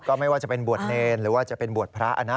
ไม่ว่าจะเป็นบวชเนรหรือว่าจะเป็นบวชพระนะ